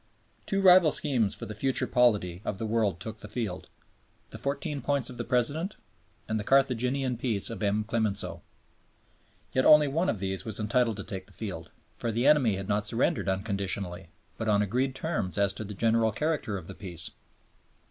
Two rival schemes for the future polity of the world took the field, the Fourteen Points of the President, and the Carthaginian Peace of M. Clemenceau. Yet only one of these was entitled to take the field; for the enemy had not surrendered unconditionally, but on agreed terms as to the general character of the Peace.